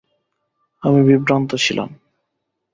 আমি বিভ্রান্ত ছিলাম।